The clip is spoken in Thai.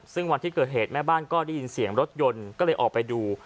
ซึ่งวันที่เกิดเหตุแม่บ้านก็ได้ยินเสียงรถยนต์ก็เลยออกไปดู